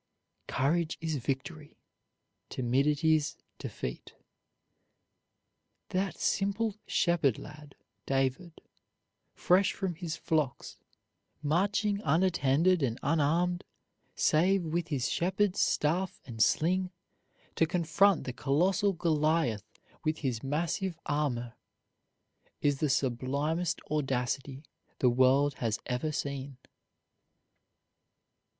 Courage is victory, timidity's defeat. That simple shepherd lad, David, fresh from his flocks, marching unattended and unarmed, save with his shepherd's staff and sling, to confront the colossal Goliath with his massive armor, is the sublimest audacity the world has ever seen.